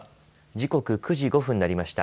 時刻、９時５分になりました。